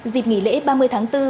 dịp nghỉ lễ ba mươi tháng bốn